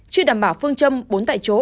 chưa đảm bảo phương châm bốn tại chỗ